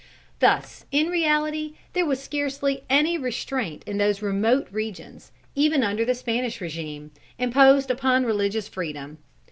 Thus, in reality, there was scarcely any restraint in those remote regions, even under the Spanish regime, imposed upon religious freedom.